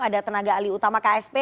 ada tenaga alih utama ksp